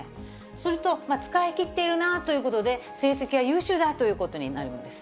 すると、使い切っているなということで、成績は優秀だということになるんです。